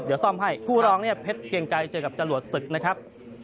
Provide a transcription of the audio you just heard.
เดี๋ยวซ่อมให้คู่รองเนี่ยเพชรเกียงไกรเจอกับจรวดศึกนะครับ